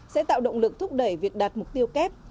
sẽ tạo động lực thúc đẩy việc đạt mục tiêu kép